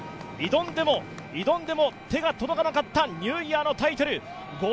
挑んでも挑んでも手が届かなかったニューイヤーのタイトル。